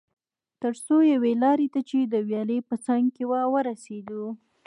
تر څو یوې لارې ته چې د ویالې په څنګ کې وه ورسېدو.